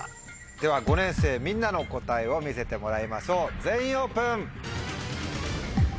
では５年生みんなの答えを見せてもらいましょう全員オープン！